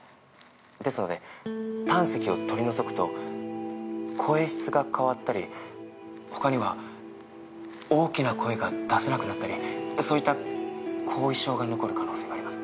ですので胆石を取り除くと声質が変わったりほかには大きな声が出せなくなったりそういった後遺症が残る可能性があります。